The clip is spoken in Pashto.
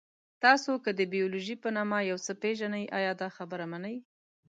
تاسو که د بیولوژي په نامه یو څه پېژنئ، ایا دا خبره منئ؟